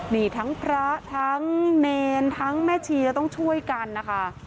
นี่ทั้งพระทั้งเนรทั้งแม่ชีจะต้องช่วยกันนะคะ